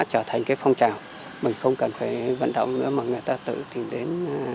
trở thành cái phong trào mình không cần phải vận động nữa mà người ta tự tìm đến